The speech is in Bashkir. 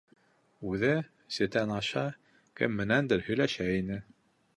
Үҙе ситән аша кем менәндер һөйләшә ине.